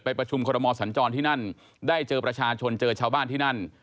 ประชุมคอรมอสัญจรที่นั่นได้เจอประชาชนเจอชาวบ้านที่นั่น